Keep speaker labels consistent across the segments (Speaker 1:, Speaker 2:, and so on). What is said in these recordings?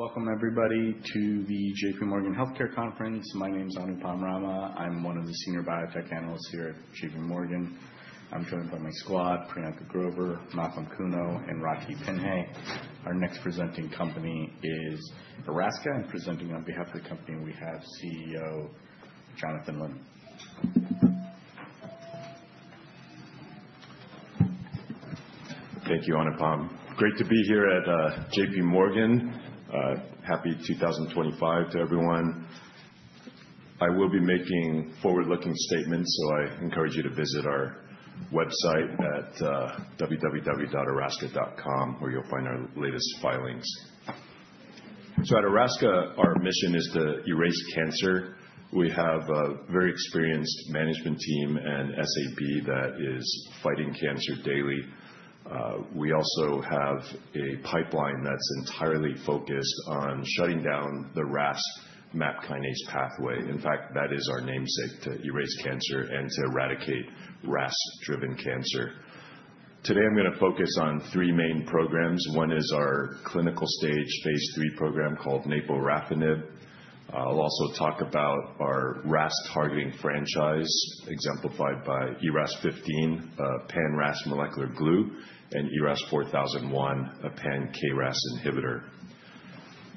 Speaker 1: Welcome, everybody, to the JPMorgan Healthcare Conference. My name's Anupam Rama. I'm one of the senior biotech analysts here at JPMorgan. I'm joined by my squad, Priyanka Grover, Malcolm Kuno, and Rocky Paull. Our next presenting company is Erasca, and presenting on behalf of the company we have CEO Jonathan Lim.
Speaker 2: Thank you, Anupam. Great to be here at JPMorgan. Happy 2025 to everyone. I will be making forward-looking statements, so I encourage you to visit our website at www.erasca.com, where you'll find our latest filings. So at Erasca, our mission is to erase cancer. We have a very experienced management team and SAB that is fighting cancer daily. We also have a pipeline that's entirely focused on shutting down the RAS/MAP kinase pathway. In fact, that is our namesake to erase cancer and to eradicate RAS-driven cancer. Today, I'm going to focus on three main programs. One is our clinical stage, phase three program called naporafenib. I'll also talk about our RAS-targeting franchise exemplified by ERAS-0015, a pan-RAS molecular glue, and ERAS-4001, a pan-KRAS inhibitor.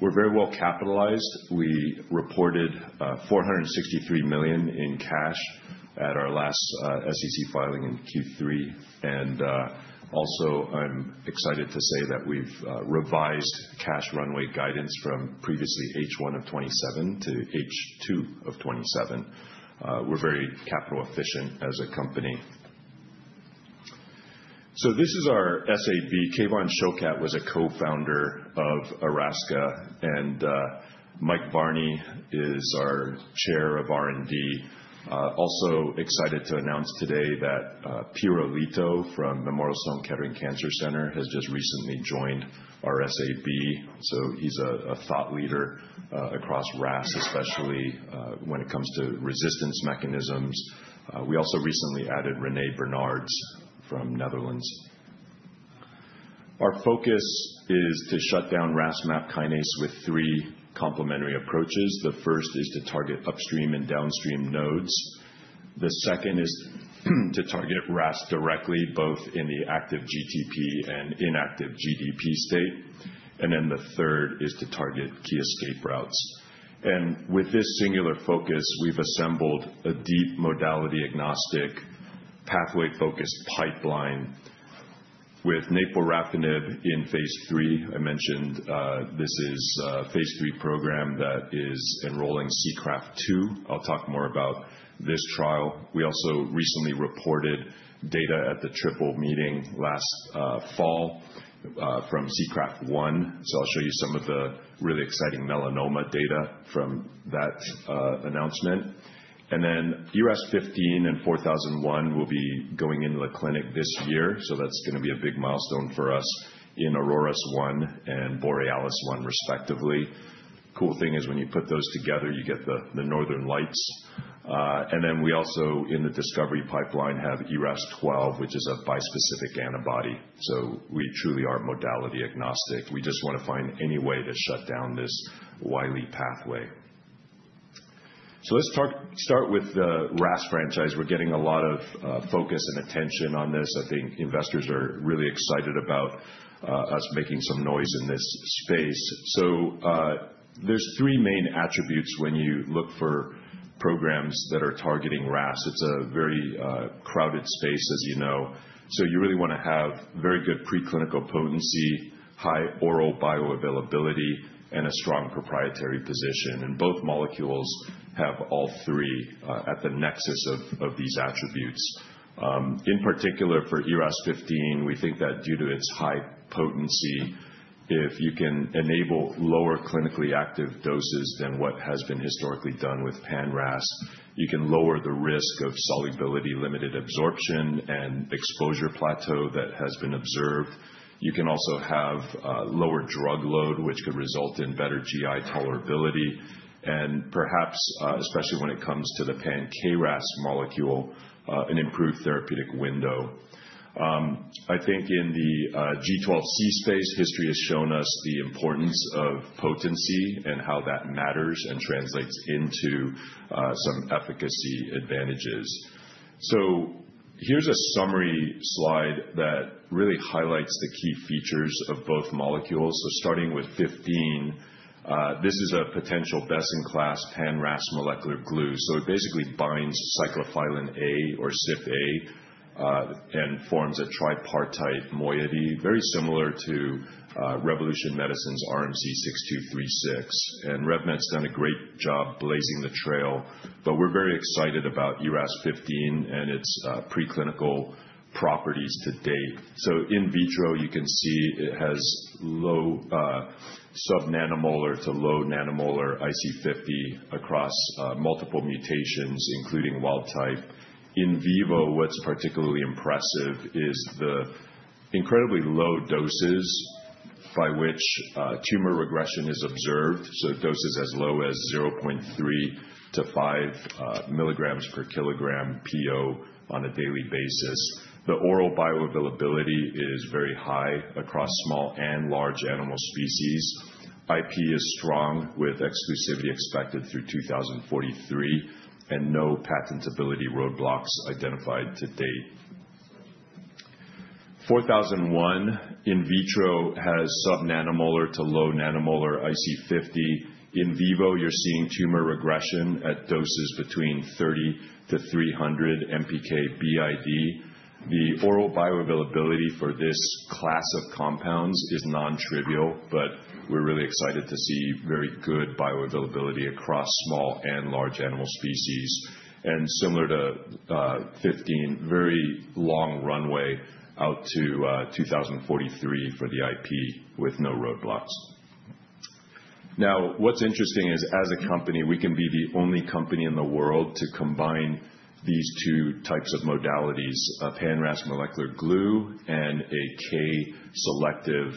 Speaker 2: We're very well capitalized. We reported $463 million in cash at our last SEC filing in Q3. And also, I'm excited to say that we've revised cash runway guidance from previously H1 of 2027 to H2 of 2027. We're very capital-efficient as a company. So this is our SAB. Kevan Shokat was a co-founder of Erasca, and Mike Varney is our chair of R&D. Also excited to announce today that Piro Lito from Memorial Sloan Kettering Cancer Center has just recently joined our SAB, so he's a thought leader across RAS, especially when it comes to resistance mechanisms. We also recently added René Bernards from the Netherlands. Our focus is to shut down RAS/MAPK with three complementary approaches. The first is to target upstream and downstream nodes. The second is to target RAS directly, both in the active GTP and inactive GDP state. And then the third is to target key escape routes. And with this singular focus, we've assembled a deep modality-agnostic, pathway-focused pipeline with naporafenib in phase three. I mentioned this is a phase three program that is enrolling SEACRAFT-2. I'll talk more about this trial. We also recently reported data at the AACR meeting last fall from SEACRAFT-1, so I'll show you some of the really exciting melanoma data from that announcement. And then ERAS15 and 4001 will be going into the clinic this year, so that's going to be a big milestone for us in AURORAS-1 and BOREALIS-1, respectively. Cool thing is when you put those together, you get the northern lights. And then we also, in the discovery pipeline, have ERAS-12, which is a bispecific antibody. So we truly are modality-agnostic. We just want to find any way to shut down this wily pathway. So let's start with the RAS franchise. We're getting a lot of focus and attention on this. I think investors are really excited about us making some noise in this space. So there's three main attributes when you look for programs that are targeting RAS. It's a very crowded space, as you know. So you really want to have very good preclinical potency, high oral bioavailability, and a strong proprietary position. And both molecules have all three at the nexus of these attributes. In particular, for ERAS-0015, we think that due to its high potency, if you can enable lower clinically active doses than what has been historically done with pan-RAS, you can lower the risk of solubility-limited absorption and exposure plateau that has been observed. You can also have lower drug load, which could result in better GI tolerability. And perhaps, especially when it comes to the pan-KRAS molecule, an improved therapeutic window. I think in the G12C space, history has shown us the importance of potency and how that matters and translates into some efficacy advantages. Here's a summary slide that really highlights the key features of both molecules. Starting with 15, this is a potential best-in-class pan-RAS molecular glue. It basically binds cyclophilin A or CYPA and forms a tripartite moiety, very similar to Revolution Medicines' RMC-6236. RevMed's done a great job blazing the trail, but we're very excited about ERAS-0015 and its preclinical properties to date. In vitro, you can see it has low sub-nanomolar to low nanomolar IC50 across multiple mutations, including wild type. In vivo, what's particularly impressive is the incredibly low doses by which tumor regression is observed, so doses as low as 0.3-5 milligrams per kilogram PO on a daily basis. The oral bioavailability is very high across small and large animal species. IP is strong with exclusivity expected through 2043 and no patentability roadblocks identified to date. ERAS-4001 in vitro has sub-nanomolar to low nanomolar IC50. In vivo, you're seeing tumor regression at doses between 30 to 300 MPK BID. The oral bioavailability for this class of compounds is non-trivial, but we're really excited to see very good bioavailability across small and large animal species. And similar to ERAS-0015, very long runway out to 2043 for the IP with no roadblocks. Now, what's interesting is, as a company, we can be the only company in the world to combine these two types of modalities: a pan-RAS molecular glue and a K-selective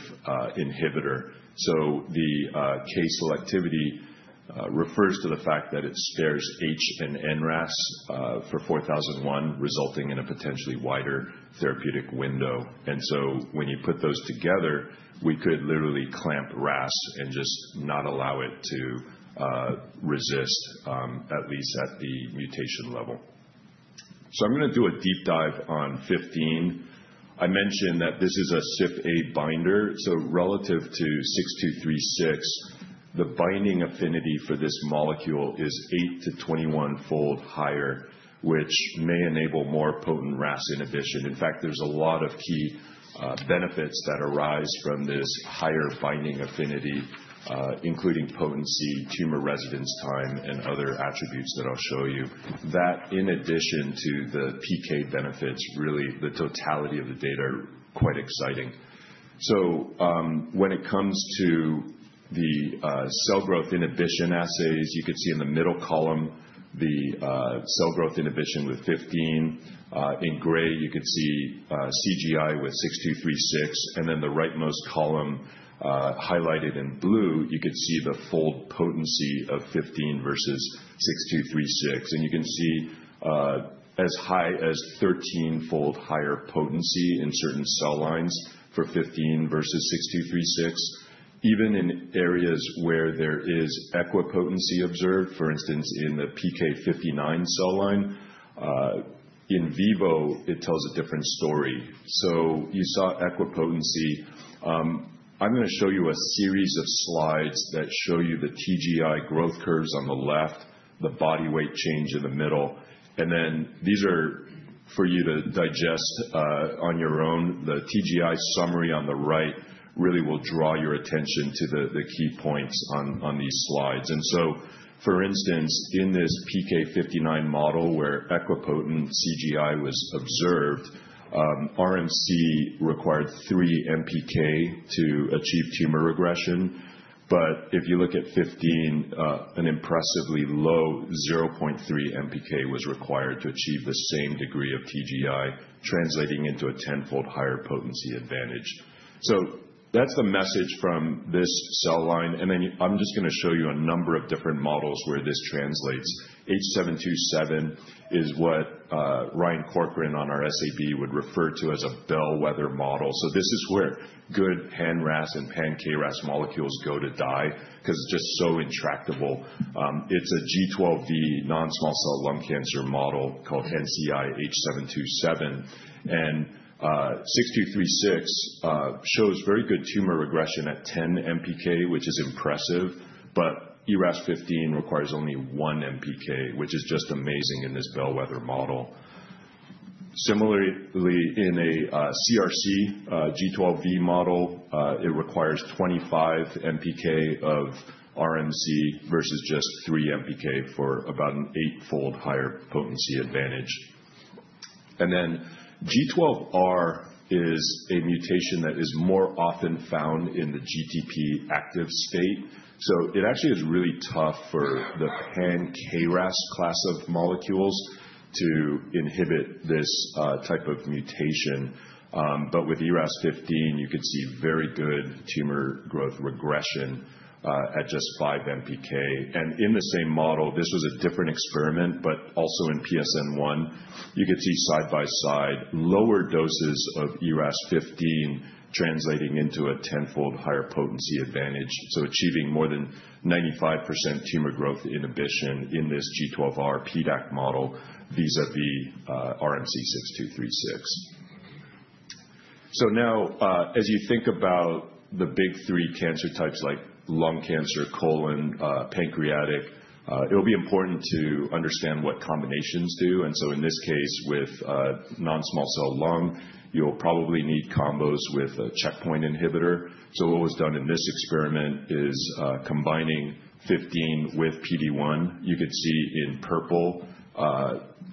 Speaker 2: inhibitor. So the K-selectivity refers to the fact that it spares H and NRAS for ERAS-4001, resulting in a potentially wider therapeutic window. And so when you put those together, we could literally clamp RAS and just not allow it to resist, at least at the mutation level. So I'm going to do a deep dive on 15. I mentioned that this is a CYPA binder. So relative to 6236, the binding affinity for this molecule is 8 to 21-fold higher, which may enable more potent RAS inhibition. In fact, there's a lot of key benefits that arise from this higher binding affinity, including potency, tumor residence time, and other attributes that I'll show you. That, in addition to the PK benefits, really the totality of the data are quite exciting. So when it comes to the cell growth inhibition assays, you could see in the middle column the cell growth inhibition with 15. In gray, you could see CGI with 6236. Then the rightmost column highlighted in blue, you could see the fold potency of 15 versus 6236. And you can see as high as 13-fold higher potency in certain cell lines for 15 versus 6236. Even in areas where there is equipotency observed, for instance, in the PK59 cell line, in vivo, it tells a different story. So you saw equipotency. I'm going to show you a series of slides that show you the TGI growth curves on the left, the body weight change in the middle. And then these are for you to digest on your own. The TGI summary on the right really will draw your attention to the key points on these slides. And so, for instance, in this PK59 model where equipotent CGI was observed, RMC required 3 MPK to achieve tumor regression. But if you look at 15, an impressively low 0.3 MPK was required to achieve the same degree of TGI, translating into a 10-fold higher potency advantage. So that's the message from this cell line. And then I'm just going to show you a number of different models where this translates. H727 is what Ryan Corcoran on our SAB would refer to as a bellwether model. So this is where good pan-RAS and pan-KRAS molecules go to die because it's just so intractable. It's a G12V non-small cell lung cancer model called NCI-H727. And RMC-6236 shows very good tumor regression at 10 MPK, which is impressive, but ERAS-0015 requires only 1 MPK, which is just amazing in this bellwether model. Similarly, in a CRC G12V model, it requires 25 MPK of RMC versus just 3 MPK for about an eight-fold higher potency advantage. And then G12R is a mutation that is more often found in the GTP active state. So it actually is really tough for the pan-KRAS class of molecules to inhibit this type of mutation. But with ERAS-0015, you could see very good tumor growth regression at just 5 MPK. And in the same model, this was a different experiment, but also in PSN1, you could see side by side lower doses of ERAS-0015 translating into a 10-fold higher potency advantage. So achieving more than 95% tumor growth inhibition in this G12R PDAC model vis-à-vis RMC-6236. So now, as you think about the big three cancer types like lung cancer, colon, pancreatic, it'll be important to understand what combinations do. And so in this case, with non-small cell lung, you'll probably need combos with a checkpoint inhibitor. So what was done in this experiment is combining 15 with PD-1. You could see in purple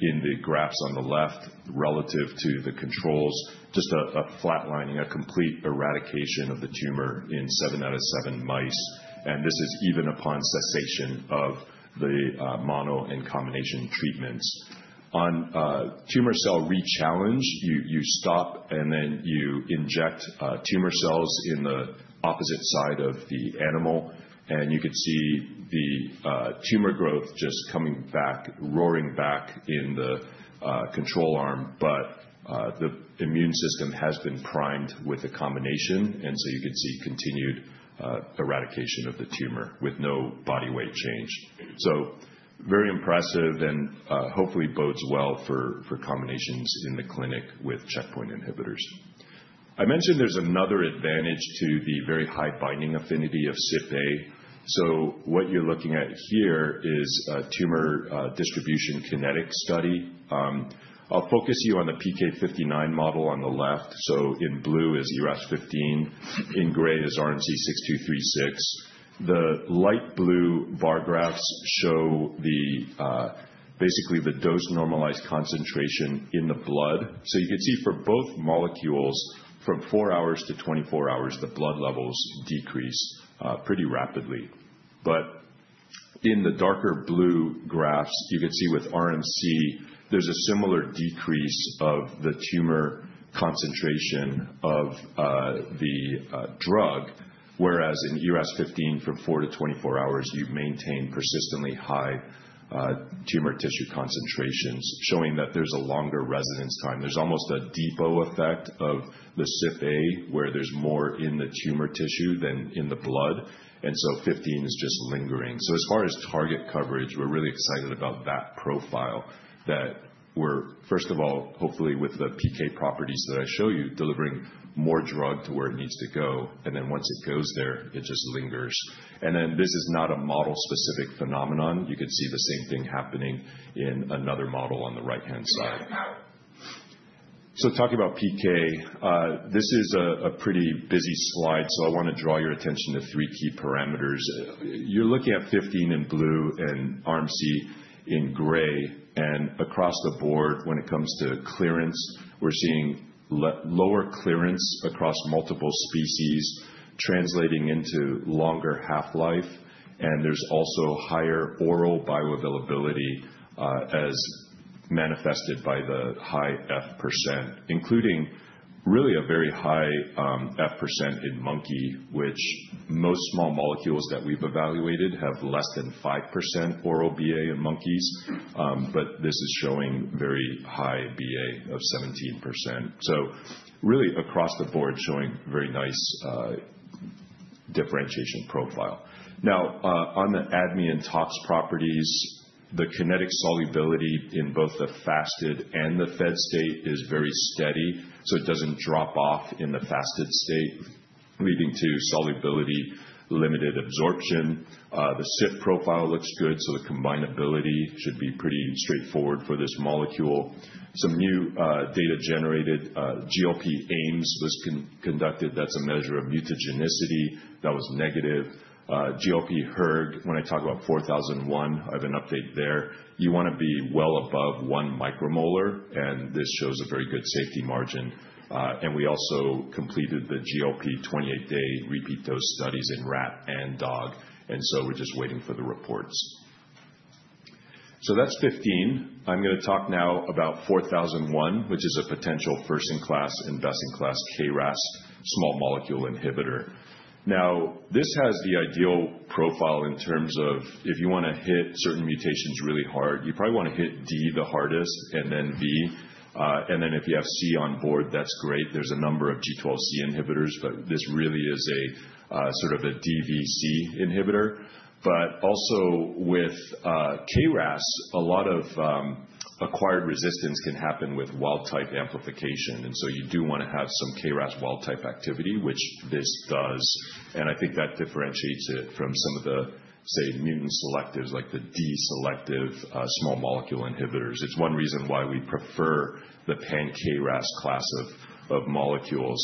Speaker 2: in the graphs on the left relative to the controls, just a flatlining, a complete eradication of the tumor in seven out of seven mice, and this is even upon cessation of the mono and combination treatments. On tumor cell re-challenge, you stop and then you inject tumor cells in the opposite side of the animal, and you could see the tumor growth just coming back, roaring back in the control arm, but the immune system has been primed with the combination, and so you could see continued eradication of the tumor with no body weight change, so very impressive and hopefully bodes well for combinations in the clinic with checkpoint inhibitors. I mentioned there's another advantage to the very high binding affinity of CYPA, so what you're looking at here is a tumor distribution kinetic study. I'll focus you on the PK59 model on the left, so in blue is ERAS15. In gray is RMC6236. The light blue bar graphs show basically the dose-normalized concentration in the blood, so you could see for both molecules, from 4 hours to 24 hours, the blood levels decrease pretty rapidly, but in the darker blue graphs, you could see with RMC, there's a similar decrease of the tumor concentration of the drug, whereas in ERAS15, from 4 to 24 hours, you maintain persistently high tumor tissue concentrations, showing that there's a longer residence time. There's almost a depot effect of the CYPA where there's more in the tumor tissue than in the blood, and so 15 is just lingering. So, as far as target coverage, we're really excited about that profile that we're, first of all, hopefully with the PK properties that I show you, delivering more drug to where it needs to go. And then once it goes there, it just lingers. And then this is not a model-specific phenomenon. You could see the same thing happening in another model on the right-hand side. So talking about PK, this is a pretty busy slide. So I want to draw your attention to three key parameters. You're looking at 15 in blue and RMC in gray. And across the board, when it comes to clearance, we're seeing lower clearance across multiple species translating into longer half-life. There's also higher oral bioavailability as manifested by the high F%, including really a very high F% in monkey, which most small molecules that we've evaluated have less than 5% oral BA in monkeys. This is showing very high BA of 17%. Really across the board, showing very nice differentiation profile. Now, on the ADME and tox properties, the kinetic solubility in both the fasted and the fed state is very steady. It doesn't drop off in the fasted state, leading to solubility-limited absorption. The CYP profile looks good. The combinability should be pretty straightforward for this molecule. Some new data-generated GLP Ames was conducted. That's a measure of mutagenicity that was negative. GLP hERG, when I talk about 4001, I have an update there. You want to be well above one micromolar. This shows a very good safety margin. And we also completed the GLP 28-day repeat dose studies in rat and dog. And so we're just waiting for the reports. So that's 15. I'm going to talk now about 4001, which is a potential first-in-class and best-in-class KRAS small molecule inhibitor. Now, this has the ideal profile in terms of if you want to hit certain mutations really hard, you probably want to hit D the hardest and then B. And then if you have C on board, that's great. There's a number of G12C inhibitors, but this really is sort of a DVC inhibitor. But also with KRAS, a lot of acquired resistance can happen with wild-type amplification. And so you do want to have some KRAS wild-type activity, which this does. And I think that differentiates it from some of the, say, mutant selectives like the D-selective small molecule inhibitors. It's one reason why we prefer the pan-KRAS class of molecules,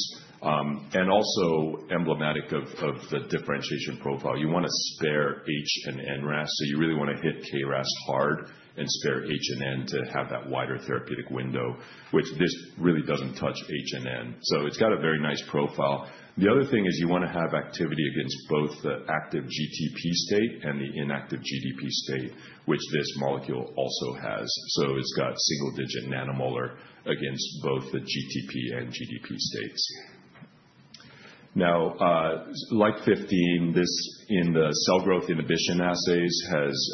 Speaker 2: and also emblematic of the differentiation profile, you want to spare H and NRAS, so you really want to hit KRAS hard and spare H and N to have that wider therapeutic window, which this really doesn't touch H and N, so it's got a very nice profile. The other thing is you want to have activity against both the active GTP state and the inactive GDP state, which this molecule also has, so it's got single-digit nanomolar against both the GTP and GDP states. Now, like 15, this in the cell growth inhibition assays has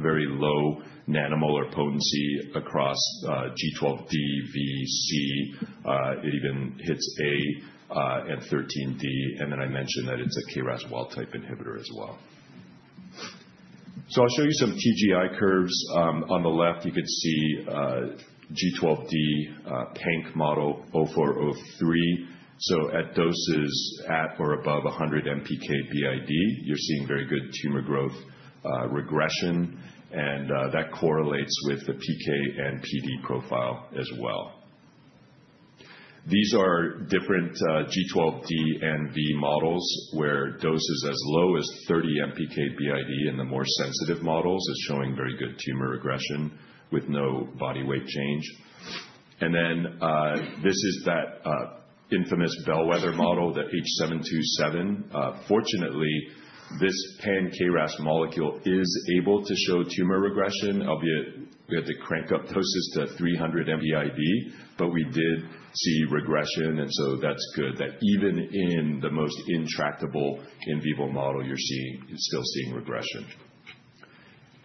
Speaker 2: very low nanomolar potency across G12D, V, C. It even hits A and 13D, and then I mentioned that it's a KRAS wild-type inhibitor as well, so I'll show you some TGI curves. On the left, you could see G12D, PANC model 0403. So at doses at or above 100 MPK BID, you're seeing very good tumor growth regression. And that correlates with the PK and PD profile as well. These are different G12D and V models where doses as low as 30 MPK BID in the more sensitive models is showing very good tumor regression with no body weight change. And then this is that infamous bellwether model, the H727. Fortunately, this pan-KRAS molecule is able to show tumor regression, albeit we had to crank up doses to 300 BID. But we did see regression. And so that's good that even in the most intractable in vivo model, you're still seeing regression.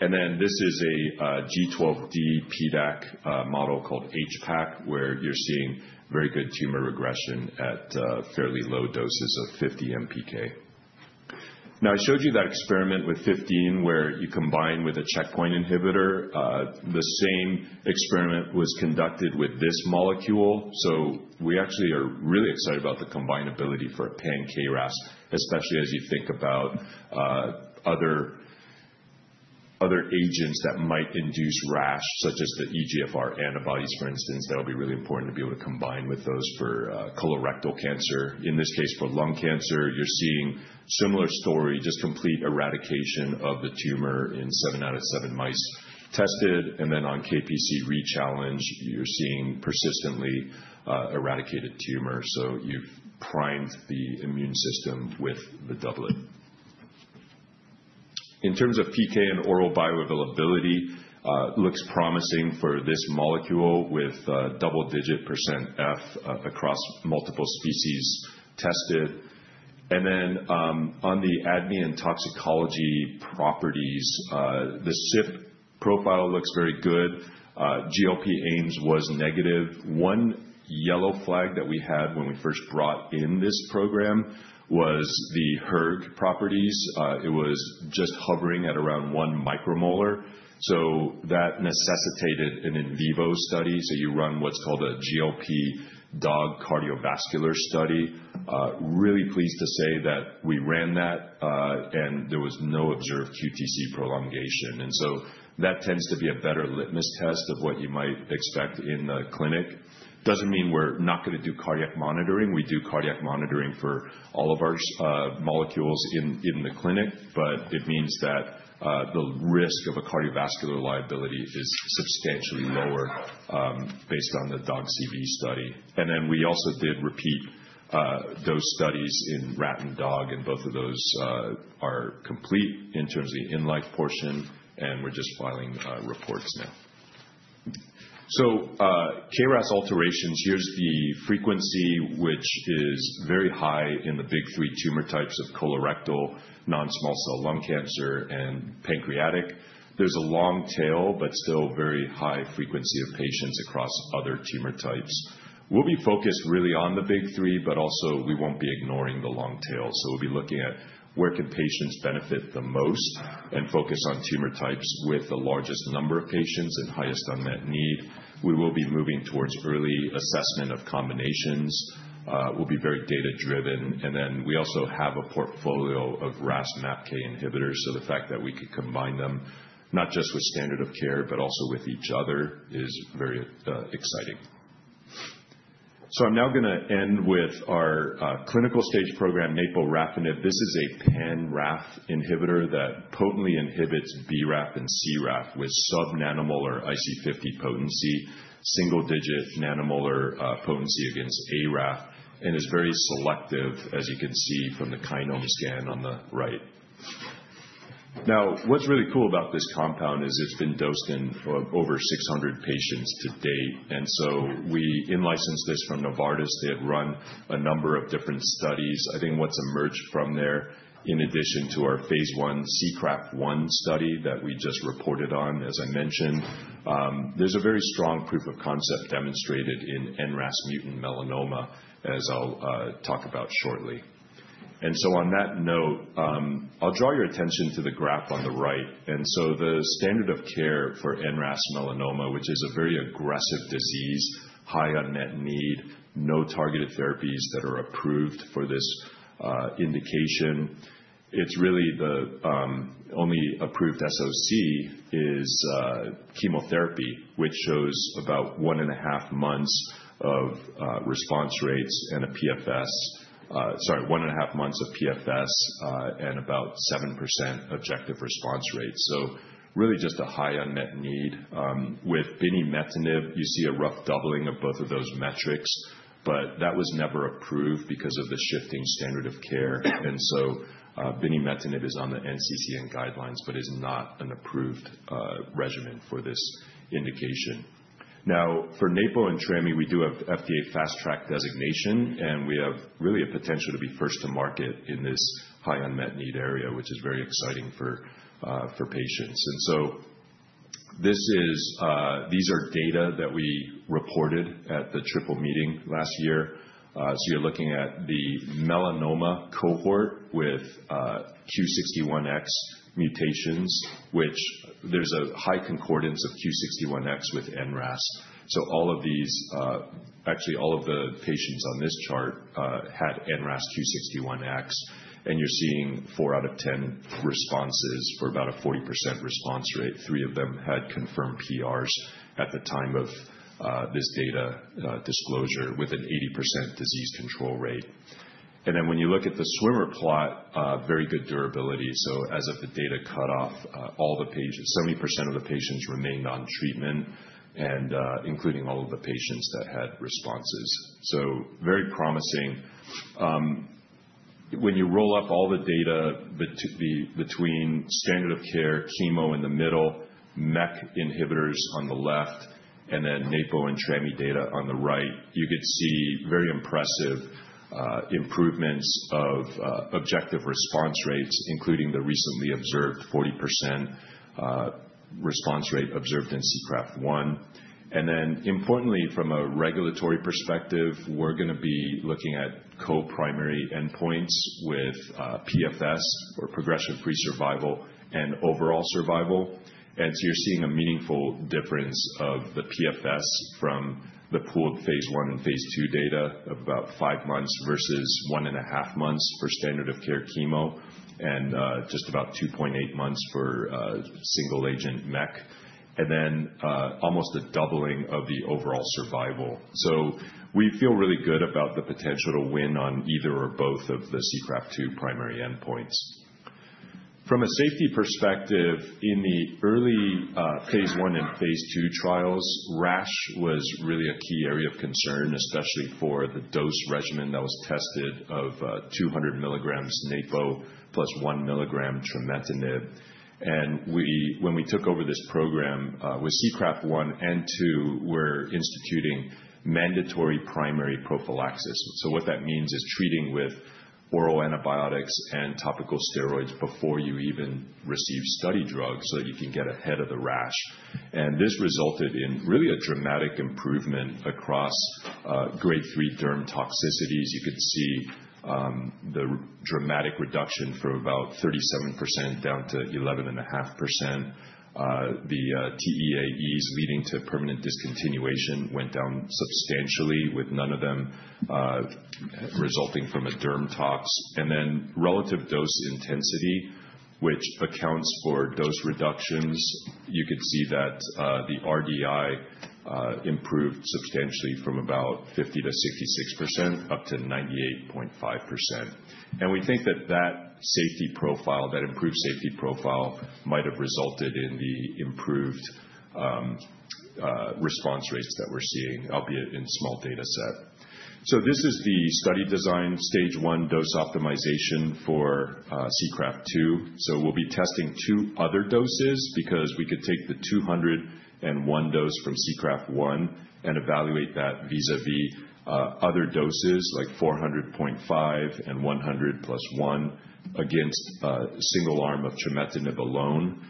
Speaker 2: And then this is a G12D PDAC model called HPAC, where you're seeing very good tumor regression at fairly low doses of 50 MPK. Now, I showed you that experiment with 15 where you combine with a checkpoint inhibitor. The same experiment was conducted with this molecule. So we actually are really excited about the combinability for pan-KRAS, especially as you think about other agents that might induce rash, such as the EGFR antibodies, for instance. That'll be really important to be able to combine with those for colorectal cancer. In this case, for lung cancer, you're seeing similar story, just complete eradication of the tumor in seven out of seven mice tested. And then on KPC re-challenge, you're seeing persistently eradicated tumor. So you've primed the immune system with the doublet. In terms of PK and oral bioavailability, it looks promising for this molecule with double-digit % F across multiple species tested. And then on the ADME toxicology properties, the CYP profile looks very good. GLP Ames was negative. One yellow flag that we had when we first brought in this program was the hERG properties. It was just hovering at around one micromolar, so that necessitated an in vivo study, so you run what's called a GLP dog cardiovascular study. Really pleased to say that we ran that, and there was no observed QTc prolongation, and so that tends to be a better litmus test of what you might expect in the clinic. Doesn't mean we're not going to do cardiac monitoring. We do cardiac monitoring for all of our molecules in the clinic, but it means that the risk of a cardiovascular liability is substantially lower based on the dog CV study. And then we also did repeat those studies in rat and dog, and both of those are complete in terms of the in-life portion. And we're just filing reports now. So, KRAS alterations, here's the frequency, which is very high in the big three tumor types of colorectal, non-small cell lung cancer, and pancreatic. There's a long tail, but still very high frequency of patients across other tumor types. We'll be focused really on the big three, but also we won't be ignoring the long tail. So, we'll be looking at where can patients benefit the most and focus on tumor types with the largest number of patients and highest unmet need. We will be moving towards early assessment of combinations. We'll be very data-driven. And then we also have a portfolio of RAS-MAPK inhibitors. So, the fact that we could combine them not just with standard of care, but also with each other is very exciting. So, I'm now going to end with our clinical stage program, naporafenib. This is a pan-RAF inhibitor that potently inhibits BRAF and CRAF with sub-nanomolar IC50 potency, single-digit nanomolar potency against ARAF, and is very selective, as you can see from the KINOMEscan on the right. Now, what's really cool about this compound is it's been dosed in over 600 patients to date. And so we in-licensed this from Novartis. They have run a number of different studies. I think what's emerged from there, in addition to our phase 1 SEACRAFT-1 study that we just reported on, as I mentioned, there's a very strong proof of concept demonstrated in NRAS mutant melanoma, as I'll talk about shortly. And so on that note, I'll draw your attention to the graph on the right. And so the standard of care for NRAS melanoma, which is a very aggressive disease, high unmet need, no targeted therapies that are approved for this indication. It's really the only approved SOC is chemotherapy, which shows about one and a half months of response rates and a PFS, sorry, one and a half months of PFS and about 7% objective response rate. So really just a high unmet need. With binimetinib, you see a rough doubling of both of those metrics. But that was never approved because of the shifting standard of care. And so binimetinib is on the NCCN guidelines, but is not an approved regimen for this indication. Now, for naporafenib and trametinib, we do have FDA Fast Track designation. And we have really a potential to be first to market in this high unmet need area, which is very exciting for patients. And so these are data that we reported at the Triple Meeting last year. So, you're looking at the melanoma cohort with Q61X mutations, which there's a high concordance of Q61X with NRAS. So, all of these, actually all of the patients on this chart had NRAS Q61X. And you're seeing 4 out of 10 responses for about a 40% response rate. Three of them had confirmed PRs at the time of this data disclosure with an 80% disease control rate. And then, when you look at the swimmer plot, very good durability. So, as of the data cutoff, all the patients, 70% of the patients remained on treatment, including all of the patients that had responses. So, very promising. When you roll up all the data between standard of care, chemo in the middle, MEK inhibitors on the left, and then naporafenib and trametinib data on the right, you could see very impressive improvements of objective response rates, including the recently observed 40% response rate observed in SEACRAFT-1. And then importantly, from a regulatory perspective, we're going to be looking at co-primary endpoints with PFS or progression-free survival and overall survival. And so you're seeing a meaningful difference of the PFS from the pooled phase 1 and phase 2 data of about five months versus one and a half months for standard of care chemo and just about 2.8 months for single-agent MEK. And then almost a doubling of the overall survival. So we feel really good about the potential to win on either or both of the SEACRAFT-2 primary endpoints. From a safety perspective, in the early phase 1 and phase 2 trials, rash was really a key area of concern, especially for the dose regimen that was tested of 200 milligrams naporafenib plus 1 milligram trametinib. When we took over this program with SEACRAFT-1 and 2, we're instituting mandatory primary prophylaxis. What that means is treating with oral antibiotics and topical steroids before you even receive study drugs so that you can get ahead of the rash. This resulted in really a dramatic improvement across grade 3 derm toxicities. You could see the dramatic reduction for about 37% down to 11.5%. The TEAEs leading to permanent discontinuation went down substantially, with none of them resulting from a derm tox. Then relative dose intensity, which accounts for dose reductions, you could see that the RDI improved substantially from about 50%-66% up to 98.5%. We think that that safety profile, that improved safety profile, might have resulted in the improved response rates that we're seeing, albeit in small data set. This is the study design stage one dose optimization for SEACRAFT-2. We'll be testing two other doses because we could take the 201 dose from SEACRAFT-1 and evaluate that vis-à-vis other doses like 400.5 and 100 plus 1 against a single arm of trametinib alone.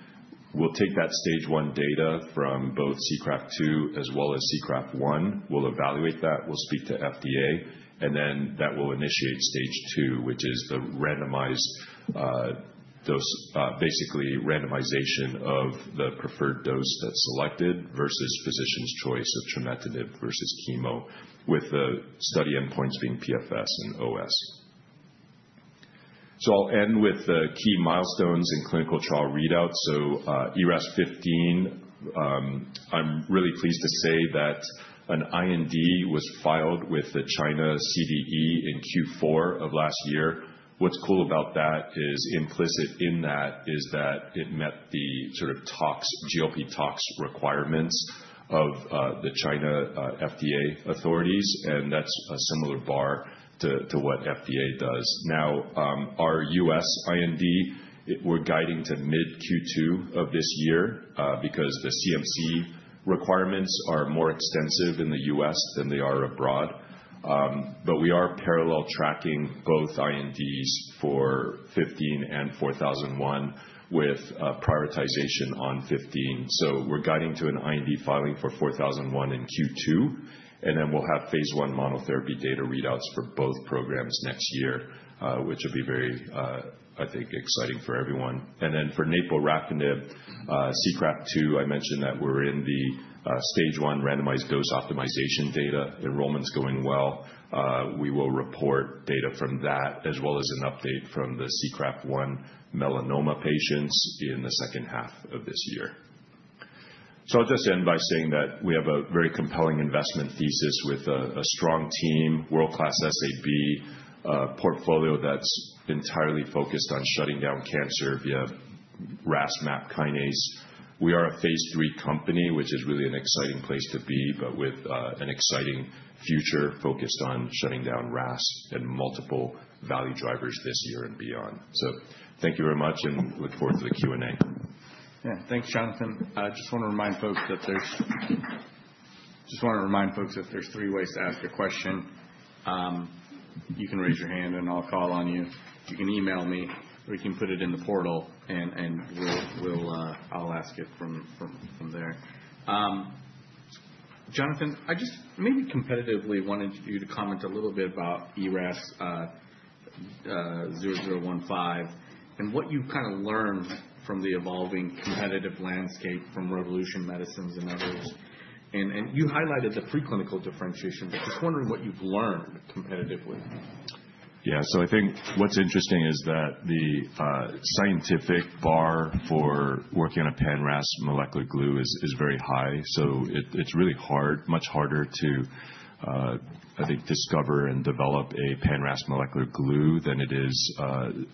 Speaker 2: We'll take that stage one data from both SEACRAFT-2 as well as SEACRAFT-1. We'll evaluate that. We'll speak to FDA. And then that will initiate stage two, which is the randomized, basically randomization of the preferred dose that's selected versus physician's choice of trametinib versus chemo, with the study endpoints being PFS and OS. I'll end with the key milestones in clinical trial readouts. So ERAS-0015, I'm really pleased to say that an IND was filed with the China CDE in Q4 of last year. What's cool about that is implicit in that is that it met the sort of GLP tox requirements of the China FDA authorities. And that's a similar bar to what FDA does. Now, our US IND, we're guiding to mid Q2 of this year because the CMC requirements are more extensive in the US than they are abroad. But we are parallel tracking both INDs for ERAS-0015 and ERAS-4001 with prioritization on ERAS-0015. So we're guiding to an IND filing for ERAS-4001 in Q2. And then we'll have phase one monotherapy data readouts for both programs next year, which will be very, I think, exciting for everyone. And then for naporafenib, SEACRAFT-2, I mentioned that we're in the stage one randomized dose optimization data. Enrollment's going well. We will report data from that, as well as an update from the SEACRAFT-1 melanoma patients in the second half of this year. So I'll just end by saying that we have a very compelling investment thesis with a strong team, world-class SAB portfolio that's entirely focused on shutting down cancer via RAS/MAPK pathway. We are a phase three company, which is really an exciting place to be, but with an exciting future focused on shutting down RAS and multiple value drivers this year and beyond. So thank you very much, and look forward to the Q&A.
Speaker 1: Yeah. Thanks, Jonathan. I just want to remind folks that there's three ways to ask a question. You can raise your hand and I'll call on you. You can email me or you can put it in the portal and I'll ask it from there. Jonathan, I just maybe competitively wanted you to comment a little bit about ERAS-0015 and what you've kind of learned from the evolving competitive landscape from Revolution Medicines and others. And you highlighted the preclinical differentiation, but just wondering what you've learned competitively.
Speaker 2: Yeah. So I think what's interesting is that the scientific bar for working on a pan-RAS molecular glue is very high. So it's really hard, much harder to, I think, discover and develop a pan-RAS molecular glue than it is.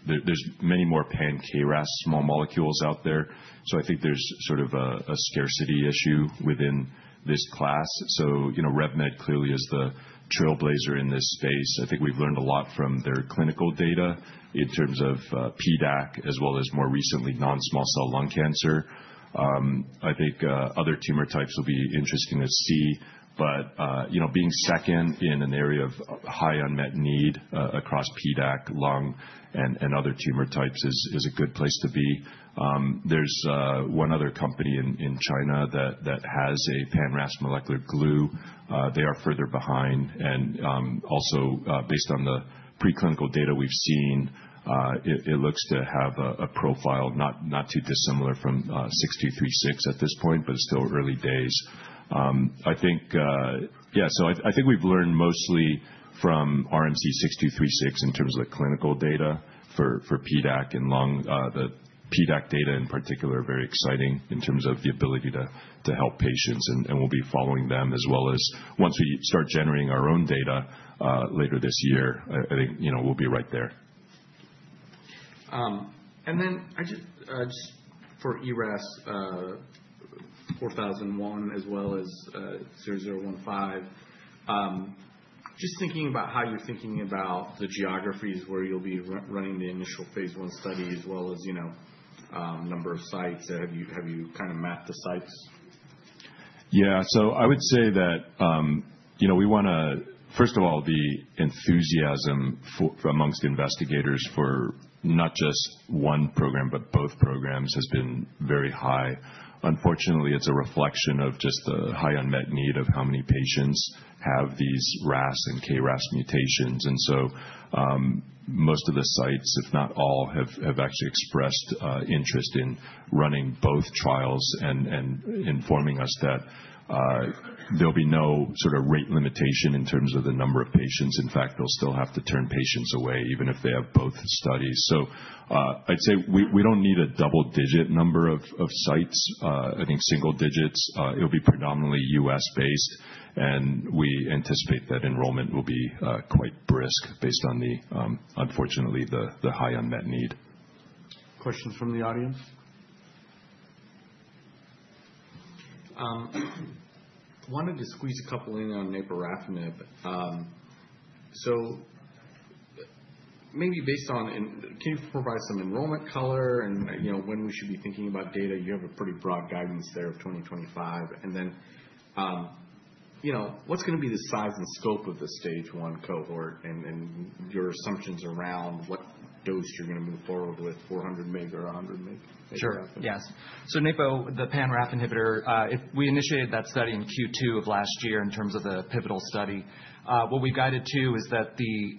Speaker 2: There's many more pan-KRAS small molecules out there. So I think there's sort of a scarcity issue within this class. So RevMed clearly is the trailblazer in this space. I think we've learned a lot from their clinical data in terms of PDAC, as well as more recently non-small cell lung cancer. I think other tumor types will be interesting to see. But being second in an area of high unmet need across PDAC, lung, and other tumor types is a good place to be. There's one other company in China that has a pan-RAS molecular glue. They are further behind.
Speaker 3: And also, based on the preclinical data we've seen, it looks to have a profile not too dissimilar from 6236 at this point, but it's still early days. I think, yeah, so I think we've learned mostly from RMC-6236 in terms of the clinical data for PDAC and lung. The PDAC data in particular are very exciting in terms of the ability to help patients. And we'll be following them as well as once we start generating our own data later this year, I think we'll be right there.
Speaker 1: And then just for ERAS-4001 as well as ERAS-0015, just thinking about how you're thinking about the geographies where you'll be running the initial phase 1 study as well as number of sites. Have you kind of mapped the sites?
Speaker 3: Yeah, so I would say that we want to, first of all, the enthusiasm among investigators for not just one program, but both programs has been very high. Unfortunately, it's a reflection of just the high unmet need of how many patients have these RAS and KRAS mutations. And so most of the sites, if not all, have actually expressed interest in running both trials and informing us that there'll be no sort of rate limitation in terms of the number of patients. In fact, they'll still have to turn patients away even if they have both studies, so I'd say we don't need a double-digit number of sites. I think single digits, it'll be predominantly U.S.-based. And we anticipate that enrollment will be quite brisk based on, unfortunately, the high unmet need.
Speaker 1: Questions from the audience?
Speaker 4: Wanted to squeeze a couple in on naporafenib. So maybe based on, can you provide some enrollment color and when we should be thinking about data? You have a pretty broad guidance there of 2025. And then what's going to be the size and scope of the phase one cohort and your assumptions around what dose you're going to move forward with, 400 mg or 100 mg?
Speaker 3: Sure. Yes. So naporafenib, the pan-RAF inhibitor, we initiated that study in Q2 of last year in terms of the pivotal study. What we've guided to is that the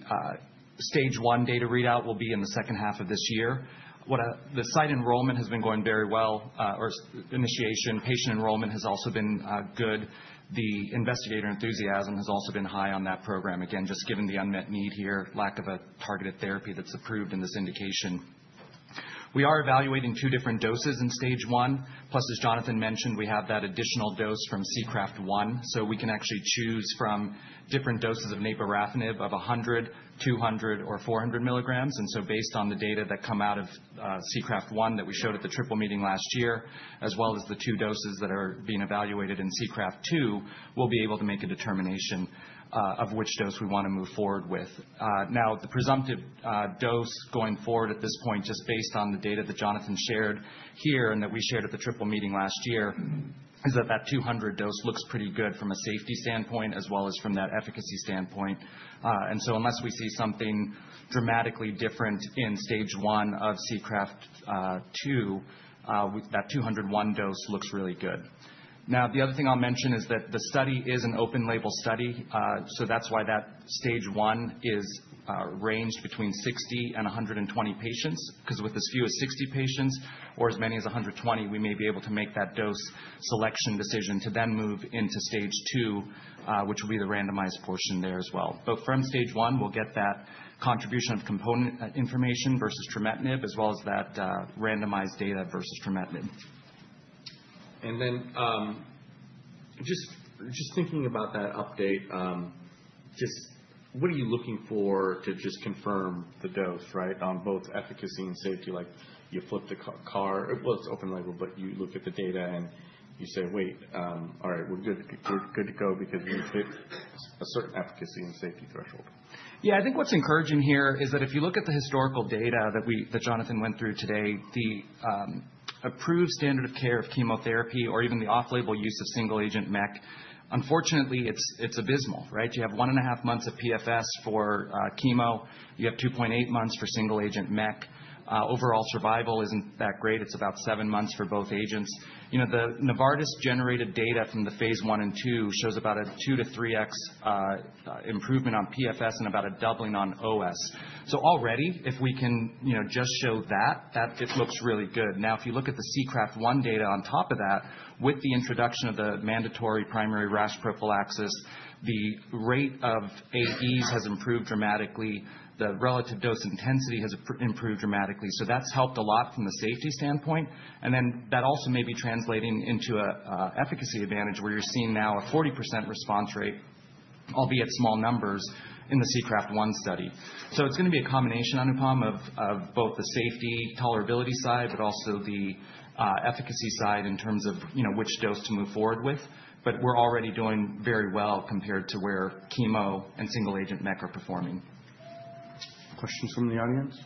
Speaker 3: stage one data readout will be in the second half of this year. The site enrollment has been going very well or initiation. Patient enrollment has also been good. The investigator enthusiasm has also been high on that program, again, just given the unmet need here, lack of a targeted therapy that's approved in this indication. We are evaluating two different doses in stage one. Plus, as Jonathan mentioned, we have that additional dose from SEACRAFT-1. So we can actually choose from different doses of naporafenib of 100, 200, or 400 milligrams. And so based on the data that come out of SEACRAFT-1 that we showed at the triple meeting last year, as well as the two doses that are being evaluated in SEACRAFT-2, we'll be able to make a determination of which dose we want to move forward with. Now, the presumptive dose going forward at this point, just based on the data that Jonathan shared here and that we shared at the triple meeting last year, is that that 200 dose looks pretty good from a safety standpoint as well as from that efficacy standpoint. And so unless we see something dramatically different in stage one of SEACRAFT-2, that 201 dose looks really good. Now, the other thing I'll mention is that the study is an open label study. So that's why that stage one is ranged between 60 and 120 patients. Because with as few as 60 patients or as many as 120, we may be able to make that dose selection decision to then move into stage two, which will be the randomized portion there as well. But from stage one, we'll get that contribution of component information versus trametinib as well as that randomized data versus trametinib.
Speaker 1: And then just thinking about that update, just what are you looking for to just confirm the dose, right, on both efficacy and safety? Like you flip the chart, well, it's open label, but you look at the data and you say, "Wait, all right, we're good to go because we hit a certain efficacy and safety threshold.
Speaker 3: Yeah. I think what's encouraging here is that if you look at the historical data that Jonathan went through today, the approved standard of care of chemotherapy or even the off-label use of single-agent MEK, unfortunately, it's abysmal, right? You have one and a half months of PFS for chemo. You have 2.8 months for single-agent MEK. Overall survival isn't that great. It's about seven months for both agents. The Novartis-generated data from the phase 1 and 2 shows about a 2-3x improvement on PFS and about a doubling on OS. So already, if we can just show that, it looks really good. Now, if you look at the SEACRAFT-1 data on top of that, with the introduction of the mandatory primary rash prophylaxis, the rate of AEs has improved dramatically. The relative dose intensity has improved dramatically. So that's helped a lot from the safety standpoint. And then that also may be translating into an efficacy advantage where you're seeing now a 40% response rate, albeit small numbers in the SEACRAFT-1 study. So it's going to be a combination, Anupam, of both the safety tolerability side, but also the efficacy side in terms of which dose to move forward with. But we're already doing very well compared to where chemo and single-agent MEK are performing.
Speaker 1: Questions from the audience?